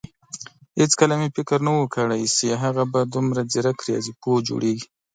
هيڅکله مې فکر نه وو کړی چې هغه به دومره ځيرک رياضيپوه جوړېږي.